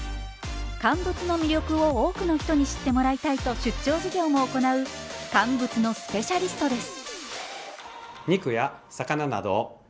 乾物の魅力を多くの人に知ってもらいたいと出張授業も行う乾物のスペシャリストです。